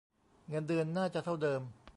เงินเดือนน่าจะเท่าเดิม.